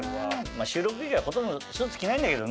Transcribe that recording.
収録時はほとんどスーツ着ないんだけどね。